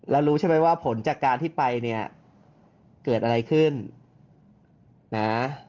แล้วรู้ใช่ไหมว่าผลจากการที่ไปเนี่ยเกิดอะไรขึ้นนะ